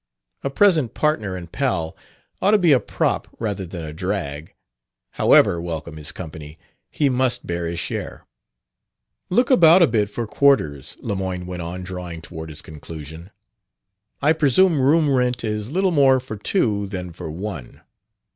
A present partner and pal ought to be a prop rather than a drag: however welcome his company, he must bear his share. "Look about a bit for quarters," Lemoyne went on, drawing toward his conclusion. "I presume room rent is little more for two than for one.